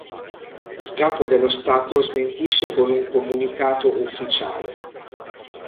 Il capo dello Stato smentisce con un comunicato ufficiale.